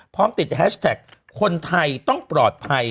พร้อมติดแฮชแท็กคนไทยต้องปลอดภัย